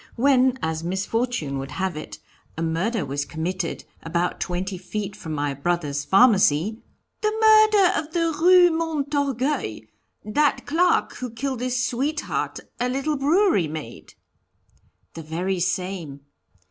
When, as misfortune would have it, a murder was committed about twenty feet from my brother's pharmacy " "The murder of the Rue Montorgueil that clerk who killed his sweetheart, a little brewery maid?" "The very same.